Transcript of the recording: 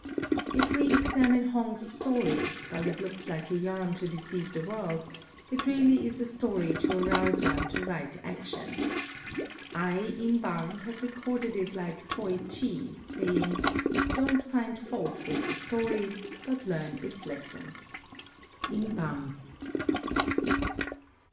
If we examine Hong's story, while it looks like a yarn to deceive the world, it really is a story to arouse one to right action. I, Im Bang, have recorded it like Toi chi, saying, "Don't find fault with the story, but learn its lesson." Im Bang.